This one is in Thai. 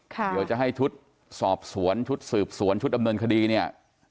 เดี๋ยวจะให้ชุดสอบสวนชุดสืบสวนชุดดำเนินคดีเนี่ย